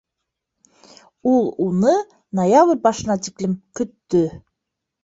Ул уны ноябрь башына тиклем көттө.